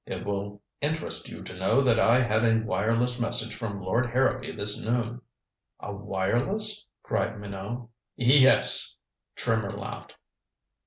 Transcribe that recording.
It will interest you to know that I had a wireless message from Lord Harrowby this noon." "A wireless?" cried Minot. "Yes." Trimmer laughed.